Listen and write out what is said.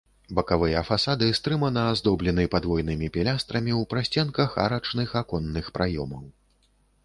Бакавыя фасады стрымана аздоблены падвойнымі пілястрамі ў прасценках арачных аконных праёмаў.